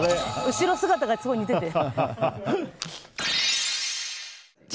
後姿がすごい似てて。